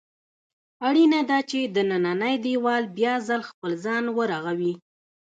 اړینه ده چې دننی دېوال بیا ځل خپل ځان ورغوي.